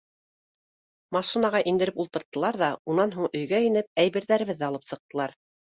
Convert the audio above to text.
Машинаға индереп ултырттылар ҙа, унан һуң өйгә инеп, әйберҙәребеҙҙе алып сыҡтылар.